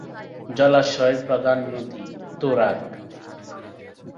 জলাশয় প্রধান নদী: তুরাগ।